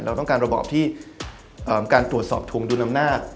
เราต้องการระบอบที่การตรวจสอบทวงดุลอำนาจ